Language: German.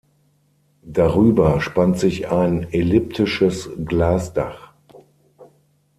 Darüber spannt sich ein elliptisches Glasdach.